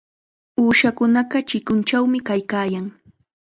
Uushakunaqa chikunchawmi kaykaayan.